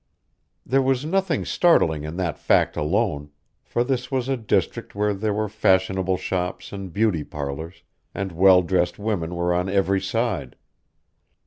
There was nothing startling in that fact alone, for this was a district where there were fashionable shops and beauty parlors, and well dressed women were on every side.